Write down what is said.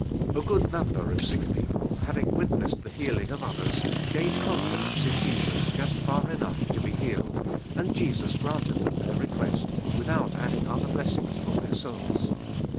A good number of sick people having witnessed the healing of others, gained confidence in Jesus just far enough to be healed, and Jesus granted them their re quest, without adding other blessings for their souls.